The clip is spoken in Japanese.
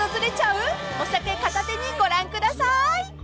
［お酒片手にご覧ください］